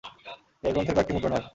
এ গ্রন্থের কয়েকটি মুদ্রণ হয়।